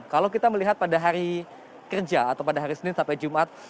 kalau kita melihat pada hari kerja atau pada hari senin sampai jumat